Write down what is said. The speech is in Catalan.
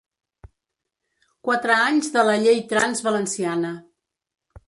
Quatre anys de la ‘llei trans’ valenciana.